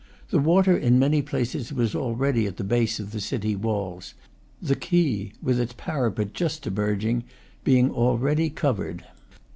The water in many places was already at the base of the city walls; the quay, with its parapet just emerging, being already covered.